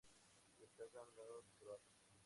Se destacan los croatas.